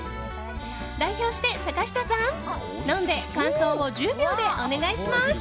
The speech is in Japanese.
代表して坂下さん、飲んで感想を１０秒でお願いします。